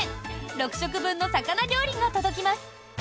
６食分の魚料理が届きます。